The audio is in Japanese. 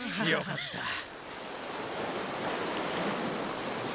よかった。